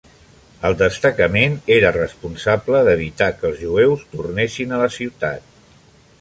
El destacament era responsable d'evitar que els jueus tornessin a la ciutat.